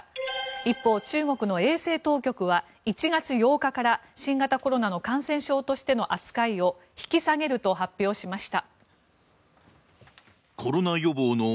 一方、中国の衛生当局は１月８日から新型コロナの感染症としての扱いを引き下げると発表しました。